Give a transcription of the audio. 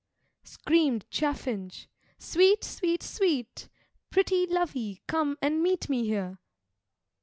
Scream'd Chaffinch, 'Sweet, sweet, sweet! Pretty lovey, come and meet me here!'